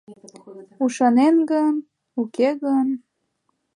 Ушанен гын, уке гын?